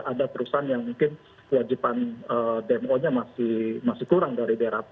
ada perusahaan yang mungkin wajiban dmo nya masih kurang dari daerah